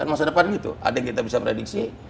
masa depan gitu ada yang kita bisa prediksi